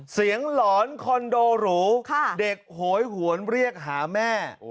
หลอนคอนโดหรูเด็กโหยหวนเรียกหาแม่